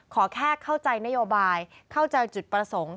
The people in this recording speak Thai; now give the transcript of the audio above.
ขอแค่เข้าใจนโยบายเข้าใจจุดประสงค์